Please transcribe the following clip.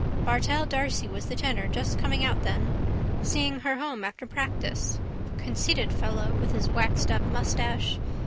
Bartell d'Arcy was the tenor, just coming out then. Seeing her home after practice. Conceited fellow with his waxedup moustache.